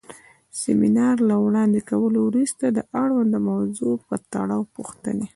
د سمینار له وړاندې کولو وروسته د اړونده موضوع پۀ تړاؤ پوښتنې